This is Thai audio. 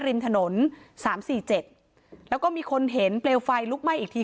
ริมถนนสามสี่เจ็ดแล้วก็มีคนเห็นเปลวไฟลุกไหม้อีกที